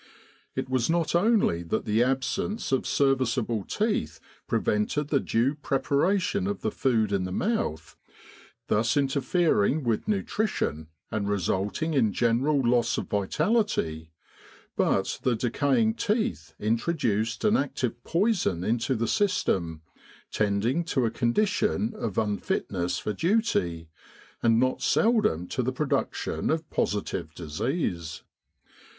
It was not only that the absence of serviceable teeth prevented the due preparation of the food in the mouth, thus interfering with nutrition and resulting in general loss of vitality, but the decaying teeth introduced an active poison into the system, tending to a condition of unfitness for duty, and not seldom to the production of positive disease.